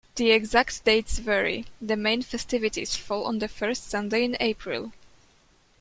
The exact dates vary: the main festivities fall on the first Sunday in April.